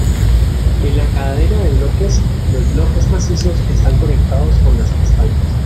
En la cadena de bloques, los bloques macizos están conectados con las pestañas.